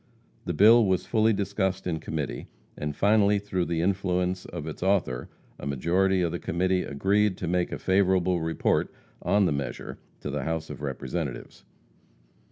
The bill was fully discussed in committee, and finally, through the influence of its author, a majority of the committee agreed to make a favorable report on the measure to the House of Representatives.